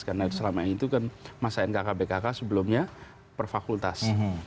karena selama itu kan masa nkk bkk sebelumnya perfakultas